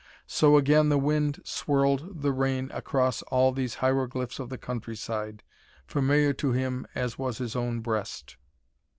So again the wind swirled the rain across all these hieroglyphs of the countryside, familiar to him as his own breast.